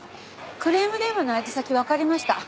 クレーム電話の相手先わかりました。